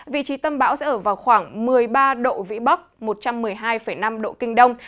vị trí tâm bão sẽ ở vào khoảng một mươi ba độ vĩ bắc một trăm một mươi hai năm độ kinh đông